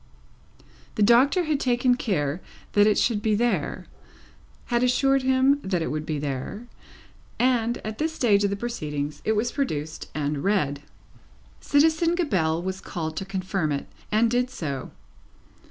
The Doctor had taken care that it should be there had assured him that it would be there and at this stage of the proceedings it was produced and read. Citizen Gabelle was called to confirm it, and did so.